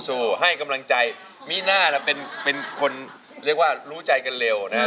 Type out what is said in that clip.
สู่ให้กำลังใจมีน่าล่ะเป็นคนเรียกว่ารู้ใจกันเร็วนะฮะ